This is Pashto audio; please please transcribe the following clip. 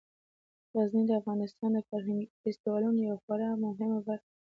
غزني د افغانستان د فرهنګي فستیوالونو یوه خورا مهمه برخه ده.